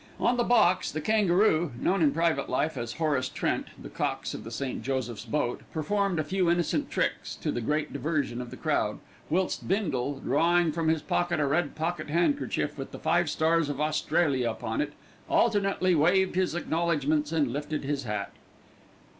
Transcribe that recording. On the box the kangaroo, known in private life as Horace Trent, the cox of the St. Joseph's boat, performed a few innocent tricks, to the great diversion of the crowd, whilst Bindle, drawing from his pocket a red pocket handkerchief with the five stars of Australia upon it, alternately waved his acknowledgments and lifted his hat.